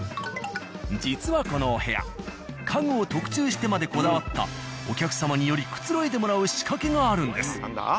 実はこのお部屋家具を特注してまでこだわったお客様によりくつろいでもらう仕掛けがあるんです。